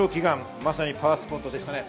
まさにパワースポットでした。